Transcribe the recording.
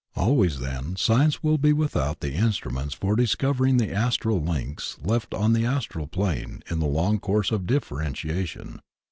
Always, then. Science will be without the instruments for discovering the astral links left on the astral plane in the long course of differentia tion.